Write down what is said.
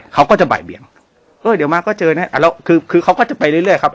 เขาก็จะบ่ายเบียงเออเดี๋ยวมาก็เจอแน่แล้วคือคือเขาก็จะไปเรื่อยครับ